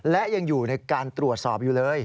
และยังอยู่ในการตรวจสอบอยู่เลย